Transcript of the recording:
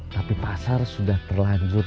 tapi pasar sudah terlanjur